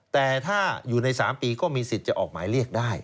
แต่ถ้าอยู่ใน๓ปีก็มีสิทธิ์จะออกหมายเรียกได้